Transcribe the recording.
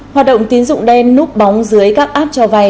hoạt động tín dụng đen núp bóng dưới các app cho vay